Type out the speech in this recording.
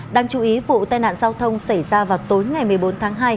đáng chú ý vụ tai nạn giao thông xảy ra vào tối ngày một mươi bốn tháng hai